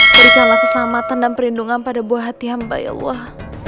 berikanlah keselamatan dan perlindungan pada buah hati hamba ya allah